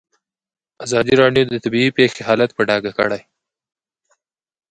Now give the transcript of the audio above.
ازادي راډیو د طبیعي پېښې حالت په ډاګه کړی.